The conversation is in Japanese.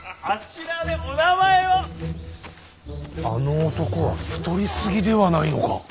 あの男は太り過ぎではないのか。